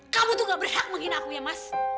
kamu tuh gak berhak menghina aku ya mas